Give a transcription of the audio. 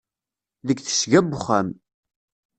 Deg tesga n uxxam.